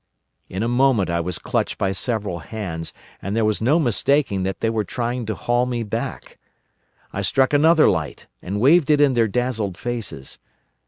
"In a moment I was clutched by several hands, and there was no mistaking that they were trying to haul me back. I struck another light, and waved it in their dazzled faces.